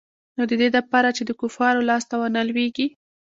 نو د دې د پاره چې د کفارو لاس ته ونه لوېږي.